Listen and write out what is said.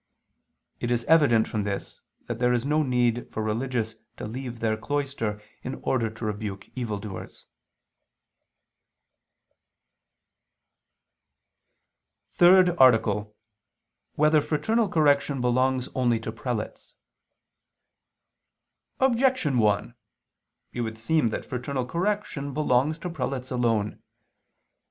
It is evident from this that there is no need for religious to leave their cloister in order to rebuke evil doers. _______________________ THIRD ARTICLE [II II, Q. 33, Art. 3] Whether Fraternal Correction Belongs Only to Prelates? Objection 1: It would seem that fraternal correction belongs to prelates alone.